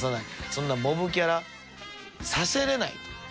「そんなモブキャラさせられない」と。